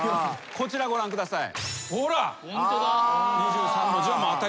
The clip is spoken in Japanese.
こちらご覧ください。